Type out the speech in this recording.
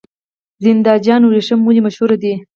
زنده جان وریښم ولې مشهور دي؟